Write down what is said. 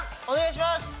お願いします。